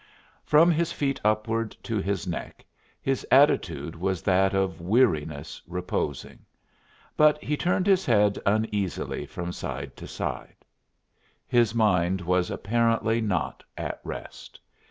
From his feet upward to his neck his attitude was that of weariness reposing; but he turned his head uneasily from side to side; his mind was apparently not at rest.